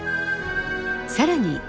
更に